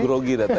grogi data ya